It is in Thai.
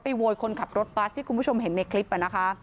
โวยคนขับรถบัสที่คุณผู้ชมเห็นในคลิปนะคะ